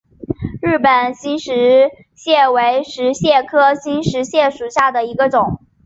日本新石蟹为石蟹科新石蟹属下的一个种。